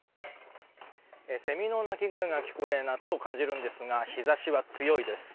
セミの鳴き声が聞こえ夏を感じるんですが日差しは強いです。